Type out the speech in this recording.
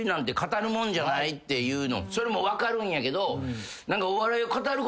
それも分かるんやけど。